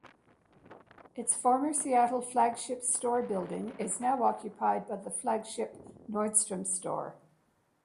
Its former Seattle flagship store building is now occupied by the flagship Nordstrom store.